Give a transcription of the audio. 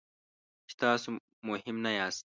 چې تاسو مهم نه یاست.